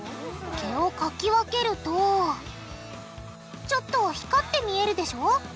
毛をかき分けるとちょっと光って見えるでしょ。